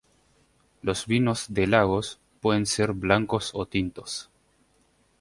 Los vinos de Lagos pueden ser blancos o tintos.